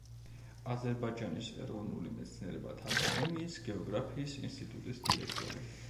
აზერბაიჯანის ეროვნული მეცნიერებათა აკადემიის გეოგრაფიის ინსტიტუტის დირექტორი.